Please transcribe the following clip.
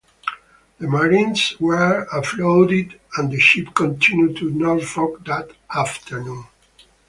The Marines were offloaded, and the ship continued to Norfolk that afternoon.